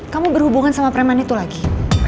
kamu berhubungan sama preman itu lagi